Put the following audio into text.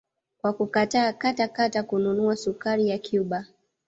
Kwa kukataa kata kata kununua sukari ya Cuba